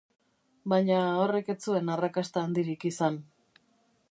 Baina horrek ez zuen arrakasta handirik izan.